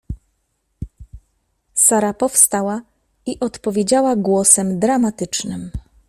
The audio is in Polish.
Sara powstała i odpowiedziała głosem dramatycznym.